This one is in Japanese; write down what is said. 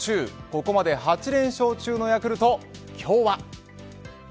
ここまで８連勝中のヤクルト今日は。